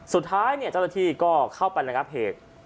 สุดท้ายเจ้าหน้าที่ก็เข้าไประงับเหตุ